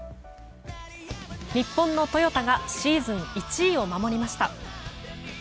日本のトヨタがシーズン１位を守りました。